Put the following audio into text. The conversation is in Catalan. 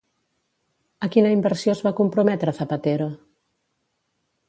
A quina inversió es va comprometre Zapatero?